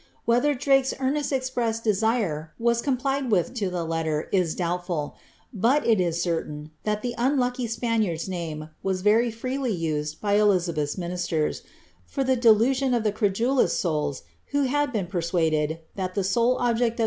Whether Drake's earnestly expressed desire was complied with to the letter is doubtful;^ but, it is certain, that the unlucky SfMmiard's name was very freely used by Elizabeth's ministers, for the delusion of the credulous souls who had been persuaded, that the sole * Gsbala, 3d ed.